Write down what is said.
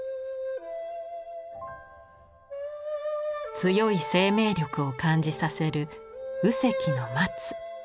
強い生命力を感じさせる右隻の松。